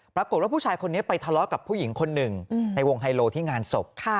ปรากฏว่าผู้ชายคนนี้ไปทะเลาะกับผู้หญิงคนหนึ่งในวงไฮโลที่งานศพ